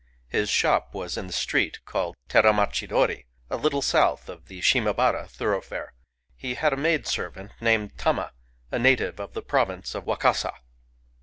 His shop was in the street called Teramachidori, a little south of the Shimabara thoroughfare. He had a maid servant named Tama, — a native of the province of Wakasa.